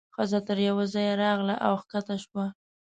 ښځه تر یوه ځایه راغله او کښته شوه.